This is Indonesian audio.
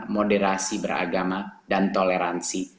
moderasi beragama dan toleransi